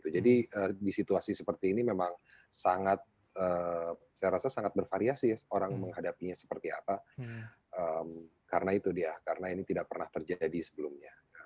jadi di situasi seperti ini memang sangat saya rasa sangat bervariasi orang menghadapinya seperti apa karena itu dia karena ini tidak pernah terjadi sebelumnya